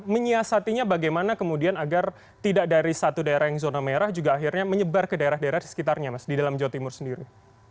menyiasatinya bagaimana kemudian agar tidak dari satu daerah yang zona merah juga akhirnya menyebar ke daerah daerah di sekitarnya mas di dalam jawa timur sendiri